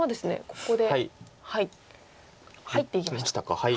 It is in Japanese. ここで入っていきました。